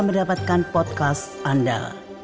dan sampai jumpa kembali